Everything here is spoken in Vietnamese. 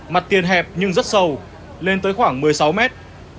mặt tiền hẹp nhưng rất sâu lên tới khoảng một mươi sáu mét